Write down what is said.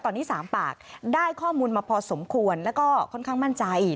ตอนนี้๓ปากได้ข้อมูลมาพอสมควรแล้วก็ค่อนข้างมั่นใจ